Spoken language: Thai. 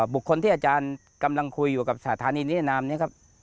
บุคคลที่อาจารย์กำลังคุยอยู่กับสถานีนิรนามนี้ครับ